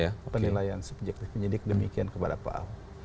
itu penilaian subjektif penyidik demikian kepada pak ahok